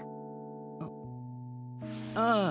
あっああ。